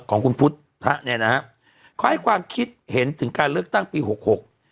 ของคุณพุทธะเนี่ยนะฮะเขาให้ความคิดเห็นถึงการเลือกตั้งปีหกหก